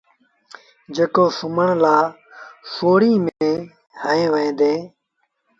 جيڪو سُومڻ لآ سوڙيٚن ميݩ هنئيٚ وهي ديٚ